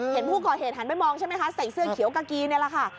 เห็นผู้ก่อเหตุหันไปมองใช่ไหมคะใส่เสื้อเขียวกากีนี่แหละค่ะ